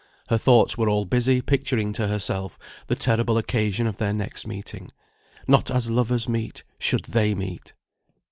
Her thoughts were all busy picturing to herself the terrible occasion of their next meeting not as lovers meet should they meet!